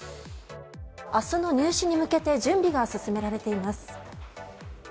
明日の入試に向けて準備が進められています。